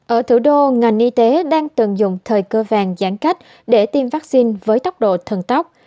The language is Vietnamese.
ở thủ đô ngành y tế đang tận dụng thời cơ vàng giãn cách để tiêm vaccine với tốc độ thần tóc